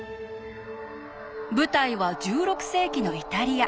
舞台は１６世紀のイタリア。